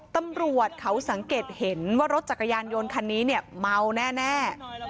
ตำรวจเขาสังเกตเห็นว่ารถจักรยานยนต์คันนี้เนี่ยเมาแน่